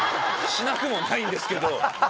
しなくもないんですけど。